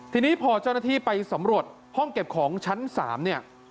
ทีนี้พอเจ้าหน้าที่ไปสำรวจห้องเก็บของชั้น๓เนี่ย